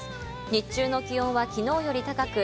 日中の気温はきのうより高く、